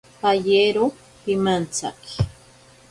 Payero pimantsaki.